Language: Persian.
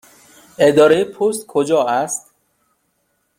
اداره پست کجا است؟